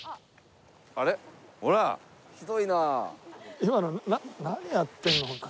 今の何やってんの。